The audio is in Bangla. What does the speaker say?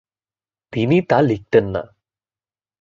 তিনি তা লিখতেন না।